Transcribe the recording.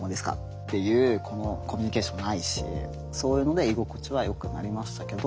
っていうこのコミュニケーションもないしそういうので居心地はよくなりましたけど。